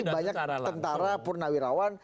banyak tentara purnawirawan